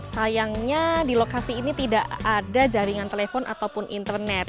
sayangnya di lokasi ini tidak ada jaringan telepon ataupun internet